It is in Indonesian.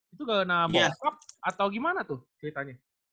itu kena bolsop atau gimana tuh ceritanya